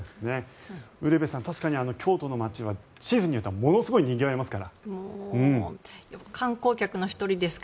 ウルヴェさん確かに京都の街はシーズンによってはものすごいにぎわいますから。